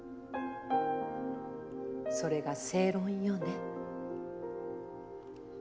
それが正論よね。